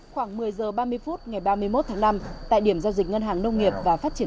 khoảng một mươi h ba mươi phút ngày ba mươi một tháng năm tại điểm giao dịch ngân hàng nông nghiệp và phát triển